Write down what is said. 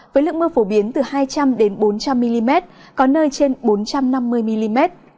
với lượng mưa phổ biến từ hai trăm linh bốn trăm linh mm có nơi trên bốn trăm năm mươi mm